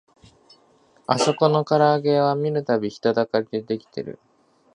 あそこのからあげ屋は見るたび人だかりが出来てる